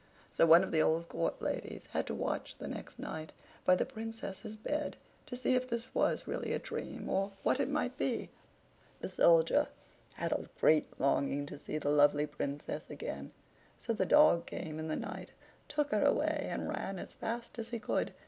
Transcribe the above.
So one of the old court ladies had to watch the next night by the Princess's bed, to see if this was really a dream, or what it might be. The Soldier had a great longing to see the lovely Princess again; so the dog came in the night, took her away, and ran as fast as he could.